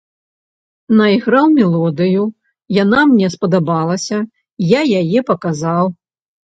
Найграў мелодыю, яна мне спадабалася, я яе паказаў.